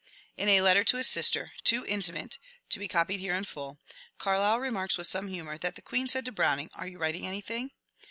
In a letter to his sister, — too intimate to be copied here in full, — Carlyle re marks with some humour that the Queen said to Browning, Are you writing anything?